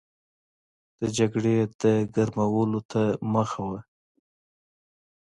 د جګړې د ګرمولو ته مخه وه.